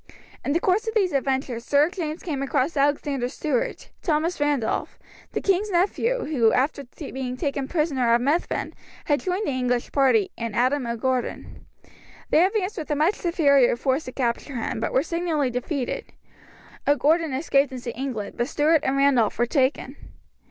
In the course of these adventures Sir James came across Alexander Stewart, Thomas Randolph, the king's nephew, who, after being taken prisoner at Methven, had joined the English party, and Adam O'Gordon. They advanced with a much superior force to capture him, but were signally defeated. O'Gordon escaped into England, but Stewart and Randolph were taken.